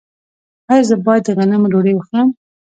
ایا زه باید د غنمو ډوډۍ وخورم؟